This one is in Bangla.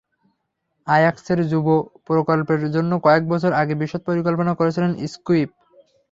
আয়াক্সের যুব প্রকল্পের জন্য কয়েক বছর আগে বিশদ পরিকল্পনা করেছিলেন ক্রুইফ।